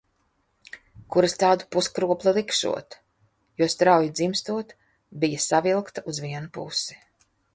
Kur es tādu puskropli likšot, jo strauji dzimstot bija savilkta uz vienu pusi.